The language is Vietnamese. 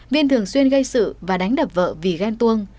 viên thường xuyên gây sự và đánh đập vợ vì ghen tuông